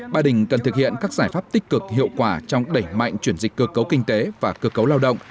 ba đình cần thực hiện các giải pháp tích cực hiệu quả trong đẩy mạnh chuyển dịch cơ cấu kinh tế và cơ cấu lao động